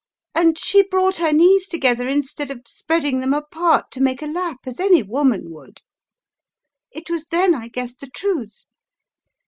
"And she brought her knees together instead of spreading them apart to make a lap as any woman would. It was then I guessed the truth.